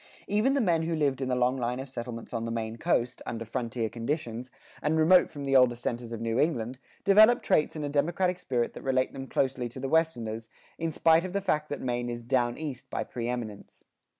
Even the men who lived in the long line of settlements on the Maine coast, under frontier conditions, and remote from the older centers of New England, developed traits and a democratic spirit that relate them closely to the Westerners, in spite of the fact that Maine is "down east" by preëminence.